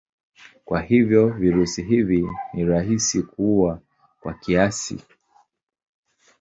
Kwa hivyo virusi hivi ni rahisi kuua kwa kiasi.